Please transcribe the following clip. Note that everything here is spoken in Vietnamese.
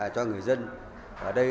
cho người dân ở đây